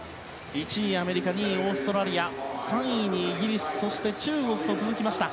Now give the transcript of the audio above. １位はアメリカ２位、オーストラリア３位にイギリスそして中国と続きました。